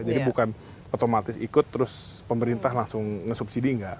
jadi bukan otomatis ikut terus pemerintah langsung nge subsidi enggak